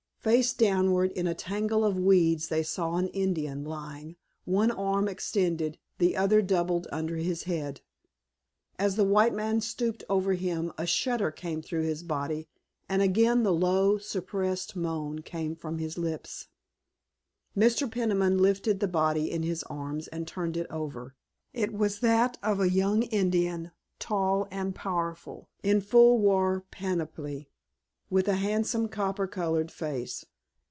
Face downward in a tangle of weeds they saw an Indian lying, one arm extended, the other doubled under his head. As the white man stooped over him a shudder ran through his body and again the low, suppressed moan came from his lips. Mr. Peniman lifted the body in his arms and turned it over. It was that of a young Indian, tall and powerful, in full war panoply, with a handsome copper colored face.